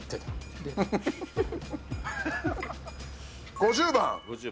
５０番。